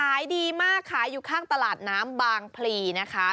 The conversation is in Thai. ขายดีมากขายอยู่ข้างตลาดน้ำบางพลีนะคะ